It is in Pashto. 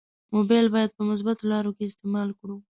مبایل باید په مثبتو لارو کې استعمال کړو.